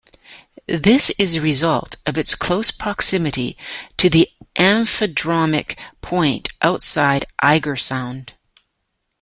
This is a result of its close proximity to the amphidromic point outside Eigersund.